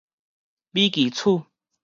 米奇鼠